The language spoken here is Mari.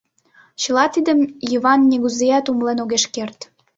Чыла тидым Йыван нигузеат умылен огеш керт.